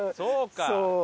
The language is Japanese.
そう。